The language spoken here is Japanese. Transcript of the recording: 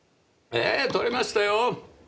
ええ撮れましたよ。